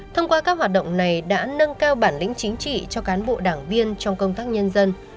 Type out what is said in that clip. thông qua các hoạt động này đã nâng cao bản lĩnh chính trị cho cán bộ đảng viên trong công tác nhân dân